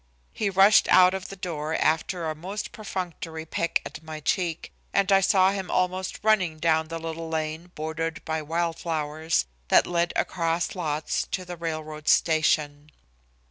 He rushed out of the door after a most perfunctory peck at my cheek, and I saw him almost running down the little lane bordered with wild flowers that led "across lots" to the railroad station.